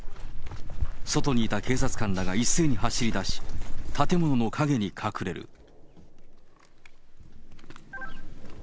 外にいた警察官らが一斉に走りだし、建物の陰に隠れる。